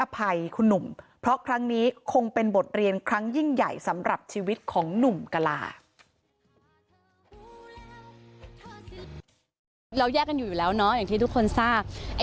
อภัยคุณหนุ่มเพราะครั้งนี้คงเป็นบทเรียนครั้งยิ่งใหญ่สำหรับชีวิตของหนุ่มกลา